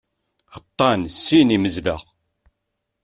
Xeṭṭan sin imezdaɣ.